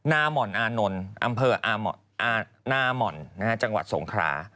หม่อนอานนท์อำเภอนาม่อนจังหวัดสงครา